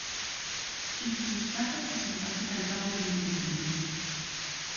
Incluso Esparta puso en práctica el pago de un impuesto directo.